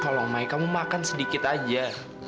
kalau mai kamu makan sedikit aja